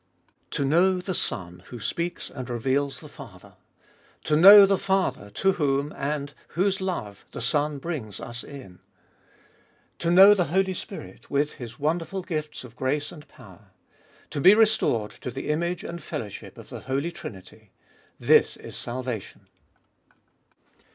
To know the Son who speaks and reveals the Father ; to know the Father to whom, and whose love, the Son brings us in ; to know the Holy Spirit with His wonderful gifts of grace and power; to be restored to the image and fellowship of the Holy Trinity : this is salvation.